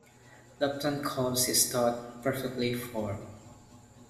Lupton calls this thought "perfectly formed".